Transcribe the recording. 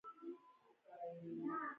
اوس لس بجې او لس دقیقې دي